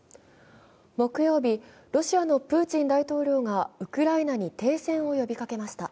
木曜日、ロシアのプーチン大統領がウクライナに停戦を呼びかけました。